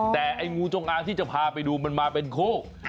แต่ไอ้งูจงอางที่จะพาไปดูมันมาเป็นคู่